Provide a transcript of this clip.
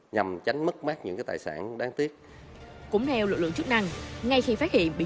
nhằm tránh mất mát những tài sản đáng tiếc cũng theo lực lượng chức năng ngay khi phát hiện bị